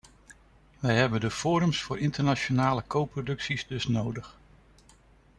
We hebben de forums voor internationale coproducties dus nodig.